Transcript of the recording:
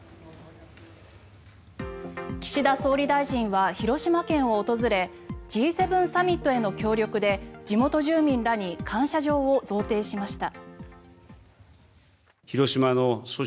岸田総理大臣は広島県を訪れＧ７サミットへの協力で地元住民らに感謝状を贈呈しました。